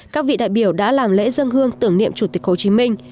các vị đại biểu đã làm lễ dân hương tưởng niệm chủ tịch hồ chí minh